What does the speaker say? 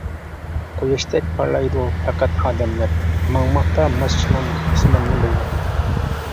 قۇياشتەك پارلايدۇ پەقەت ئادەملەر، ماڭماقتا ماشىنام ئاسماننى بويلاپ.